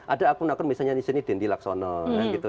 ada akun akun misalnya di sini dendi laksono gitu